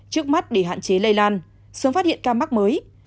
trước mắt để hạn chế lây lan sớm phát hiện ca mắc mới